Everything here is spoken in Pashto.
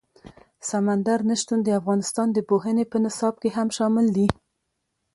سمندر نه شتون د افغانستان د پوهنې په نصاب کې هم شامل دي.